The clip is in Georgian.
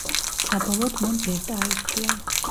საბოლოოდ მან ბერტა აირჩია.